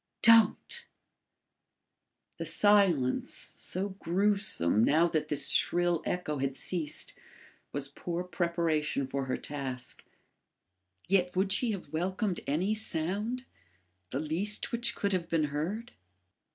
DON'T!" The silence, so gruesome, now that this shrill echo had ceased, was poor preparation for her task. Yet would she have welcomed any sound the least which could have been heard?